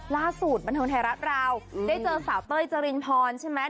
ล่าสุดบันทึงธรรมดาคราวมืมได้เจอสาวเต้ยจรินพรใช่ไหม